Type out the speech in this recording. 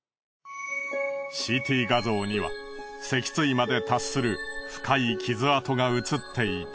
ＣＴ画像には脊椎まで達する深い傷跡が映っていた。